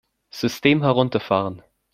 System herunterfahren!